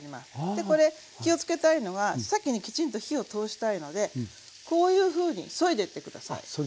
でこれ気をつけたいのがさけにきちんと火を通したいのでこういうふうにそいでって下さい。